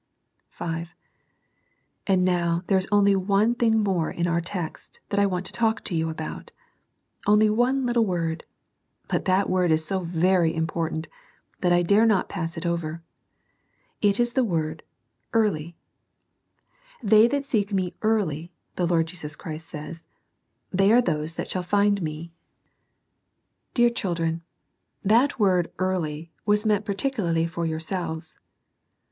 V. And now there is only one thing more in our text that I want to talk to you about. Only one little word. But that little word is so very important, that I dare not pass it over. It is the word " early, ^^" They that seek Me early, the Lord Jesus Christ says, they are those that shall find Mq:' SEEKING THE LORD EARLY. 1 29 Dear children, that world ^^earfy^^ was meant particularly for yourselves.